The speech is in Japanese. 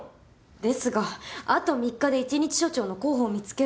ですがあと３日で１日署長の候補を見つけるのは。